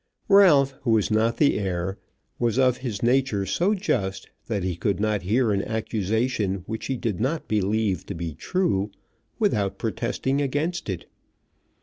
Ralph, who was not the heir, was of his nature so just, that he could not hear an accusation which he did not believe to be true, without protesting against it.